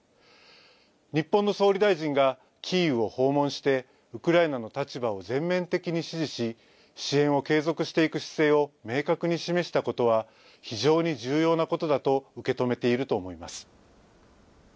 日本の総理大臣がキーウを訪問して、ウクライナの立場を全面的に支持し、支援を継続していく姿勢を明確に示したことは、非常に重要なことだと受け止めていると思います。